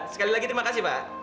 sekali lagi terima kasih pak